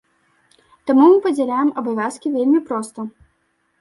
Таму мы падзяляем абавязкі вельмі проста.